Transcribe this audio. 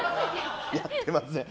やってません。